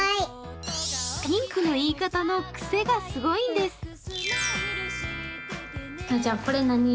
「ピンク」の言い方の癖がすごいんです。